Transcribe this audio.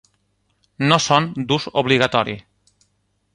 No són d'ús obligatori.